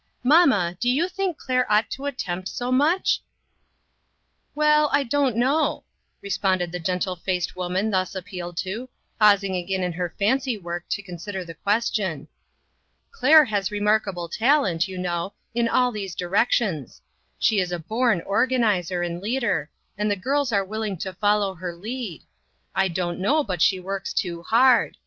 Mamma, do you think Claire ought to attempt so much ?"" Well, I don't know," responded the gen tle faced woman thus appealed to, pausing again in her fancy work to consider the question. " Claire has remarkable talent, you know, in all these directions. She is a born organizer, and leader, and the girls are will ing to follow her lead. I don't know but she works too hard.